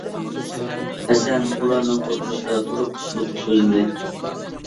ھەسەن ئۇلارنىڭ ئوتتۇرىسىدا تۇرۇپ نۇتۇق سۆزلىدى.